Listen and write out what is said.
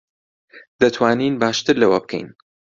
دەتوانین باشتر لەوە بکەین.